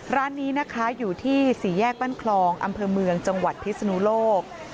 ร้านนี้นะคะอยู่ที่สี่แยกบ้านคลองอำเภอเมืองจังหวัดพิศนุโลก